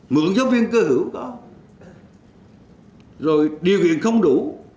mượn giáo viên cơ hữu có rồi điều kiện không đủ